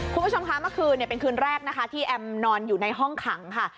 คุณผู้ชมคะเมื่อคืนเป็นคืนแรกนะคะที่แอมนอนอยู่ในห้องขังค่ะ